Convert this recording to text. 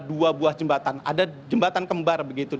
dua buah jembatan ada jembatan kembar begitu